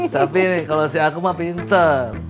tapi nih kalau si aku mah pinter